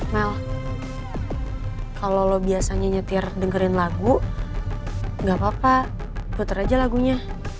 mel kalo lo biasanya nyetir dengerin lagu gapapa puter aja lagunya